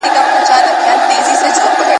غوټۍ زمولیږي شبنم پر ژاړي ,